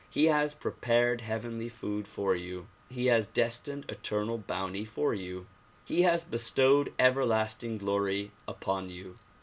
He has prepared heavenly food for you; he has destined eternal bounty for you ; he has bestowed everlasting glory upon you.